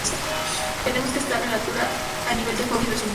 Tenemos que estar a la altura a nivel de juego y resultado.